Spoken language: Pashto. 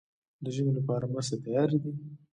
د ژمي لپاره مرستې تیارې دي؟